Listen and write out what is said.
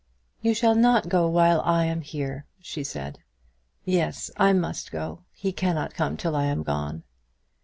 "You shall not go while I am here," she said. "Yes; I must go. He cannot come till I am gone."